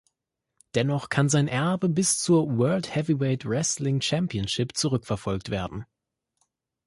Dennoch kann sein Erbe bis zur "World Heavyweight Wrestling Championship" zurückverfolgt werden.